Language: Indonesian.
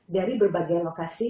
dari berbagai lokasi